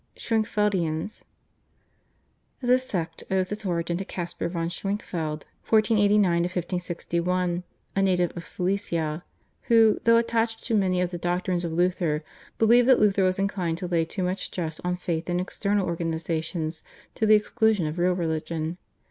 /Schwenkfeldians/. This sect owes its origin to Caspar von Schwenkfeld (1489 1561), a native of Silesia, who, though attached to many of the doctrines of Luther, believed that Luther was inclined to lay too much stress on faith and external organisation to the exclusion of real religion.